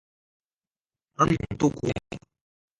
而蒙杜古马。